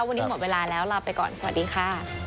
วันนี้หมดเวลาแล้วลาไปก่อนสวัสดีค่ะ